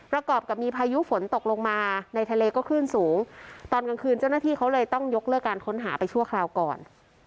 กรอบกับมีพายุฝนตกลงมาในทะเลก็คลื่นสูงตอนกลางคืนเจ้าหน้าที่เขาเลยต้องยกเลิกการค้นหาไปชั่วคราวก่อน